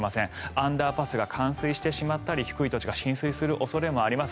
アンダーパスが冠水してしまったり低い土地が浸水します。